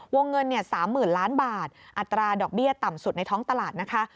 วงเงิน๓๐๐๐ล้านบาทอัตราดอกเบี้ยต่ำสุดในท้องตลาดนะคะ